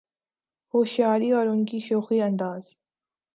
ہوشیاری اور ان کی شوخی انداز